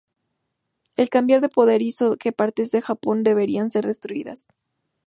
El cambiar de poder hizo que partes de Japón debieran ser destruidas.